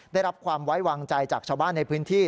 ได้รับความไว้วางใจจากชาวบ้านในพื้นที่